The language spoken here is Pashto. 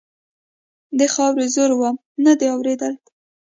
د خاورو زور و؛ نه دې اورېدل.